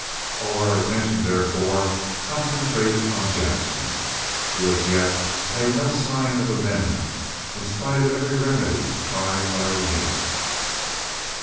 All our attention, therefore, concentrated on Jackson, who, as yet, made no sign of amendment, in spite of every remedy tried by O'Neil.